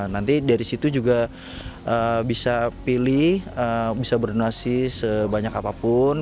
nanti dari situ juga bisa pilih bisa berdonasi sebanyak apapun